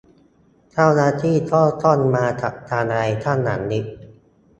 เจ้าหน้าที่ก็ต้องมาจัดการอะไรข้างหลังอีก